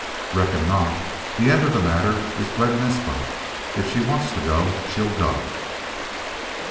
"Reckon not. The end of the matter is Glen Naspa. If she wants to go she'll go."